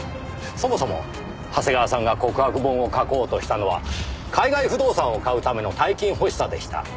そもそも長谷川さんが告白本を書こうとしたのは海外不動産を買うための大金欲しさでした。